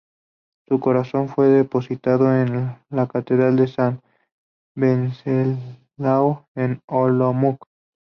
Su corazón fue depositado en la Catedral de San Venceslao en Olomouc.